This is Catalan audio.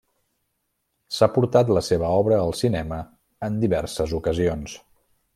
S'ha portat la seva obra al cinema en diverses ocasions.